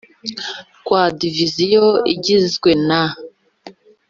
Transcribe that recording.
rwa Diviziyo igizwe na